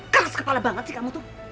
keras kepala banget sih kamu tuh